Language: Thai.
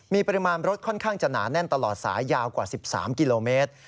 มีปริมาณรถค่อนข้างจะหนาแน่นตลอดสายยาวกว่า๑๓กิโลเมตร